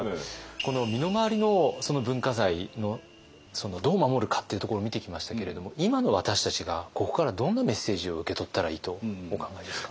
この身の回りの文化財のそのどう守るかっていうところを見てきましたけれども今の私たちがここからどんなメッセージを受け取ったらいいとお考えですか？